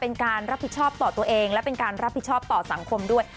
เป็นการรับผิดชอบต่อตัวเองและเป็นการรับผิดชอบต่อสังคมด้วย